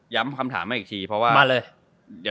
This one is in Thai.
ย้ำคำถามใหม่อีกที